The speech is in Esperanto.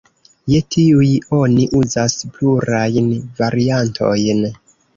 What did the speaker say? Je tiuj oni uzas plurajn variantojn.